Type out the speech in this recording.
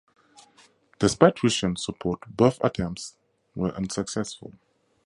Despite Russian support, both attempts were unsuccessful.